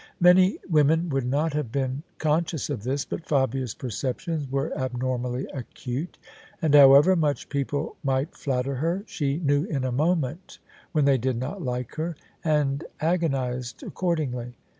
Many women would not have been con scious of this: but Fabia's perceptions were abnormally acute: and however much people might flatter her, she knew in a moment when they did not like her: and agonised accordingly.